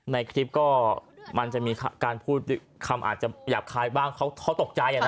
ในคลิปก็มันจะมีการพูดคำอาจจะหยาบคายบ้างเขาตกใจนะ